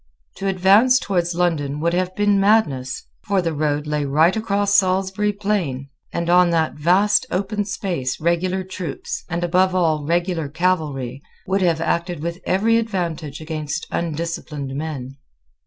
To advance towards London would have been madness; for the road lay right across Salisbury Plain; and on that vast open space regular troops, and above all regular cavalry, would have acted with every advantage against undisciplined men.